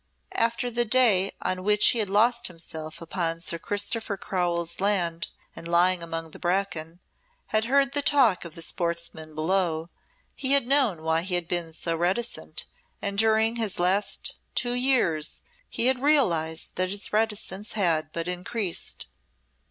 After the day on which he had lost himself upon Sir Christopher Crowell's land and, lying among the bracken, had heard the talk of the sportsmen below, he had known why he had been so reticent, and during his last two years he had realised that this reticence had but increased.